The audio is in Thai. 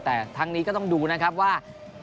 แต่ทั้งนี้ก็ต้องดูนะครับว่า